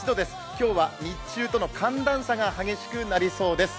今日は日中との寒暖差が激しくなりそうです。